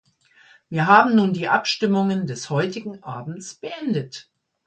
Wir haben nun die Abstimmungen des heutigen Abends beendet.